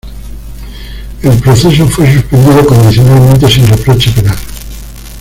El proceso fue suspendido condicionalmente sin reproche penal.